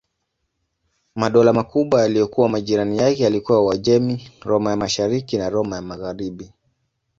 Madola makubwa yaliyokuwa majirani yake yalikuwa Uajemi, Roma ya Mashariki na Roma ya Magharibi.